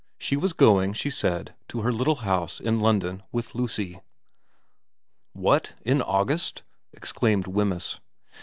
She was going, she said, to her little house in London with Lucy. ' What, in August ?' exclaimed Wemyss.